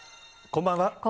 こんばんは。